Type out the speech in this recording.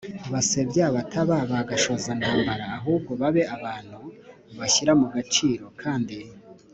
basebya bataba ba gashozantambara ahubwo babe abantu bashyira mu gaciro e kandi